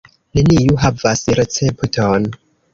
Neniu havas recepton.